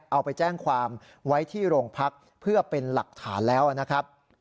เอาไปแจ้งความไว้ที่โรงพักเพื่อเป็นหลักฐานแล้วนะครับ